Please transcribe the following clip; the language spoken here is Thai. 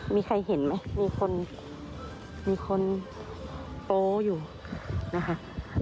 มีใครเห็นไหมมีคนโตอยู่นะฮะ